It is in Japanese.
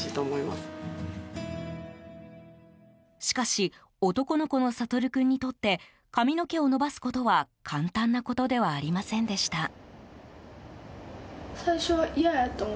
しかし、男の子の惺君にとって髪の毛を伸ばすことは簡単なことではありませんでした。